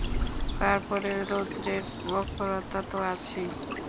তারপরে রোদ্রের প্রখরতা তো আছেই।